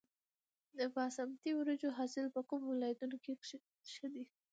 د باسمتي وریجو حاصل په کومو ولایتونو کې ښه دی؟